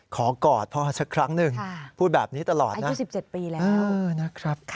ขอกอดพ่อสักครั้งหนึ่งพูดแบบนี้ตลอดนะนะครับค่ะอายุ๑๗ปีแล้ว